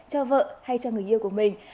cho vợ hay cho người yêu của mình